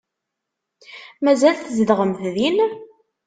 Mazal tzedɣemt din?